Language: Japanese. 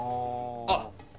「あっ！